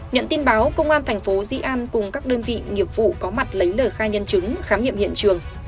nhận tin báo công an thành phố di an cùng các đơn vị nghiệp vụ có mặt lấy lời khai nhân chứng khám nghiệm hiện trường